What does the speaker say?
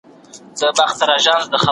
مرګ هغه شېبه ده چي انسان بیدار سي.